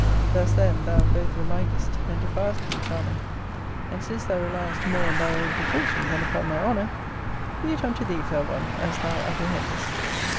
Thus, then, thou both remindest, and defiest me, charmer! And since thou reliest more on thy own precaution than upon my honour; be it unto thee, fair one, as thou apprehendest.